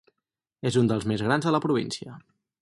És un dels més grans de la província.